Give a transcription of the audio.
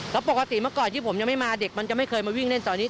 แล้วปกติเมื่อก่อนที่ผมยังไม่มาเด็กมันจะไม่เคยมาวิ่งเล่นตอนนี้